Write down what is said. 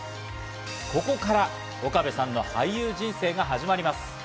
ここから岡部さんが俳優人生が始まります。